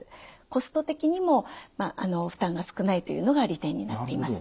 コスト的にも負担が少ないというのが利点になっています。